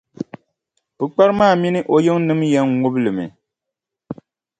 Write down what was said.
Pukpara maa mini o yiŋnima yɛn ŋubi li mi.